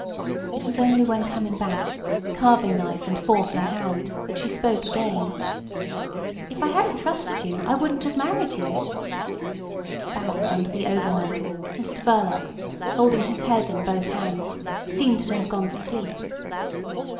It was only when coming back, carving knife and fork in hand, that she spoke again. "If I hadn't trusted you I wouldn't have married you." Bowed under the overmantel, Mr Verloc, holding his head in both hands, seemed to have gone to sleep.